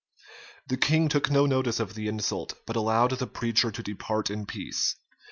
[*] The king took no notice of the insult; but allowed the preacher to depart in peace.